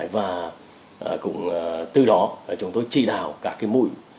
và từ đó chúng tôi chỉ đào các mũi